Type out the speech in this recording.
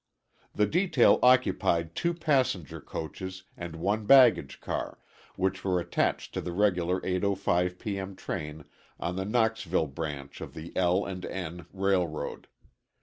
The detail occupied 2 passenger coaches and 1 baggage car, which were attached to the regular 8.05 P. M. train on the Knoxville Branch of the L. & N. Railroad.